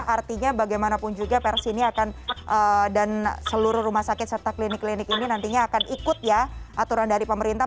artinya bagaimanapun juga pers ini akan dan seluruh rumah sakit serta klinik klinik ini nantinya akan ikut ya aturan dari pemerintah